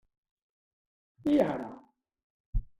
I ara!